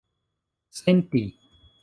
senti